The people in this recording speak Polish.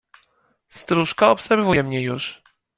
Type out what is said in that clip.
Stróżka obserwuje mnie już.